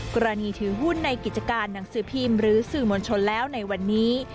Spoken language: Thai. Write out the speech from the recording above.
ถือหุ้นในกิจการหนังสือพิมพ์หรือสื่อมวลชนแล้วในวันนี้